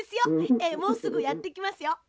ええもうすぐやってきますよ。